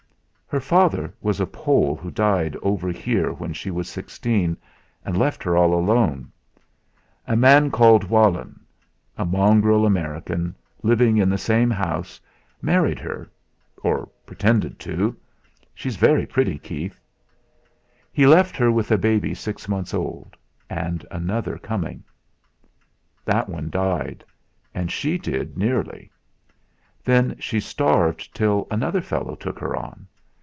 "Her father was a Pole who died over here when she was sixteen, and left her all alone. A man called Walenn, a mongrel American, living in the same house, married her, or pretended to she's very pretty, Keith he left her with a baby six months old, and another coming. That one died, and she did nearly. Then she starved till another fellow took her on.